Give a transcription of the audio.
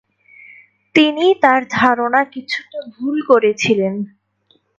তিনি তার ধারণা কিছুটা ভুল করেছিলেন।